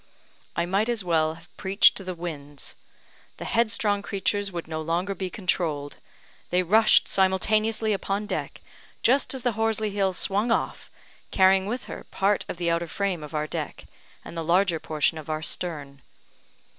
I might as well have preached to the winds. The headstrong creatures would no longer be controlled. They rushed simultaneously upon deck, just as the Horsley Hill swung off, carrying with her part of the outer frame of our deck and the larger portion of our stern.